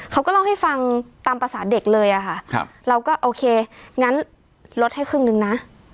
เขาก็เล่าให้ฟังตามภาษาเด็กเลยอะค่ะเราก็โอเคงั้นลดให้ครึ่งนึงนะ